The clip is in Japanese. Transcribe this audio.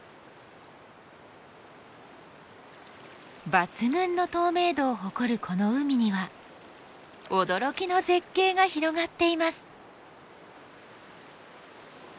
抜群の透明度を誇るこの海には驚きの絶景が広がっています。